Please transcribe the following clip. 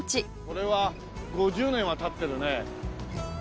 これは５０年は経ってるね。